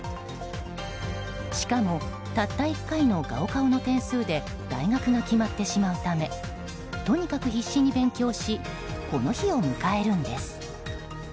しかも、たった１回の高考の点数で大学が決まってしまうためとにかく必死に勉強しこの日を迎えるんです。